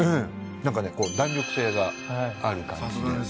なんかね弾力性がある感じで。